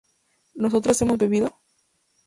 ¿nosotras hemos bebido?